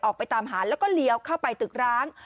ออกไปตามหาแล้วก็เลี้ยวเข้าไปตึกร้าง